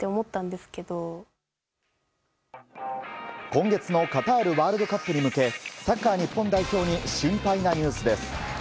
今月のカタールワールドカップに向けサッカー日本代表に心配なニュースです。